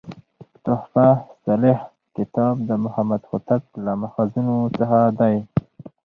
"تحفه صالح کتاب" د محمد هوتک له ماخذونو څخه دﺉ.